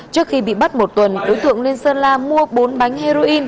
trước khi bị bắt một tuần đối tượng lên sơn la mua bốn bánh heroin